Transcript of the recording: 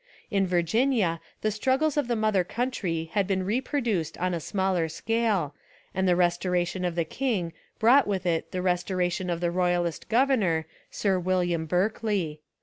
In Virginia the struggles of the mother country had been reproduced on a smaller scale, and the restoration of the king brought with It the restoration of the royalist governor, Sir William Berkeley.